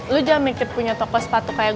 lo jangan mikir punya toko sepatu kayaknya